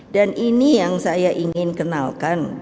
dan ini yang saya ingin kenalkan